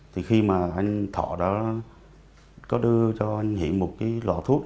thì khi mà anh thọ đã có đưa cho anh hiển một cái lò thuốc